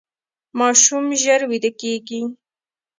ماشوم ژر ویده کیږي.